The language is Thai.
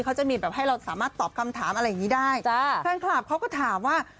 เขาจะมีแบบให้เราสามารถตอบคำถามอะไรอย่างงี้ได้จ้าแฟนคลับเขาก็ถามว่า